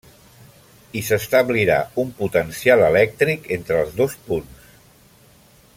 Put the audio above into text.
I s'establirà un potencial elèctric entre els dos punts.